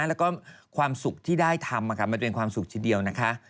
แล้วก็ความสุขที่ได้ทำมันเป็นความสุขทีเดียวนะคะ